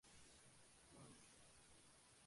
Posee una distintiva estructura tonal.